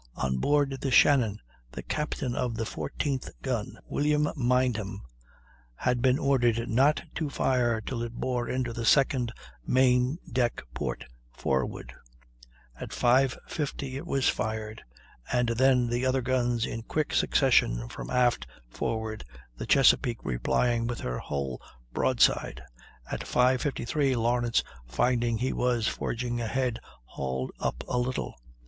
On board the Shannon the captain of the 14th gun, William Mindham, had been ordered not to fire till it bore into the second main deck port forward; at 5.50 it was fired, and then the other guns in quick succession from aft forward, the Chesapeake replying with her whole broadside. At 5.53 Lawrence, finding he was forging ahead, hauled up a little.